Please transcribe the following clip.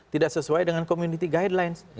tidak sesuai dengan community guidelines